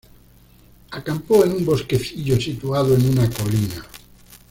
Acampó en un bosquecillo situado en una colina.